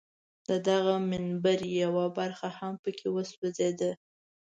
د دغه منبر یوه برخه هم په کې وسوځېده.